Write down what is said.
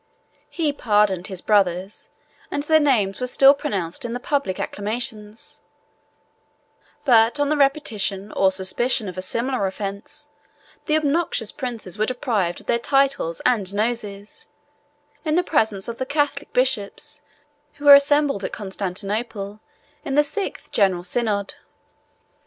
He pardoned his brothers, and their names were still pronounced in the public acclamations: but on the repetition or suspicion of a similar offence, the obnoxious princes were deprived of their titles and noses, 1113 in the presence of the Catholic bishops who were assembled at Constantinople in the sixth general synod.